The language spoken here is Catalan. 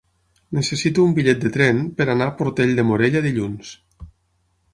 Necessito un bitllet de tren per anar a Portell de Morella dilluns.